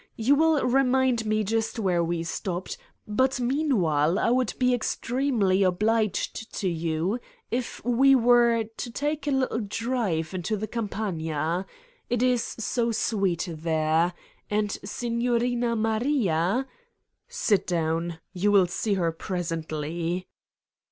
You will remind me just where we stopped, but meanwhile I would be extremely obliged to you, if we were ... to take a little drive into the Campagna. It is so sweet there. And Signoria Maria ..." 231 Satan's Diary "Sit down. You will see her presently."